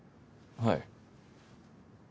はい。